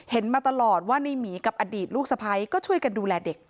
มาตลอดว่าในหมีกับอดีตลูกสะพ้ายก็ช่วยกันดูแลเด็ก